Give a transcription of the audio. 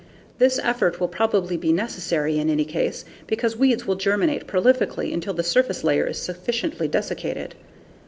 This effort will probably be necessary in any case, because weeds will germinate prolifically until the surface layer is sufficiently desiccated.